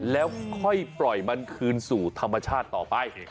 แล้วค่อยปล่อยมันคืนสู่ธรรมชาติต่อไป